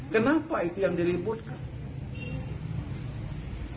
kenapa itu yang diributkan